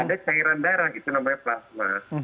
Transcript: ada cairan darah itu namanya plasma